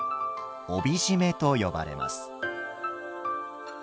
帯締めと呼ばれます。